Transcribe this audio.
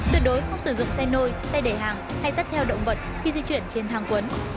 tuyệt đối không sử dụng xe nôi xe để hàng hay dắt theo động vật khi di chuyển trên hàng quấn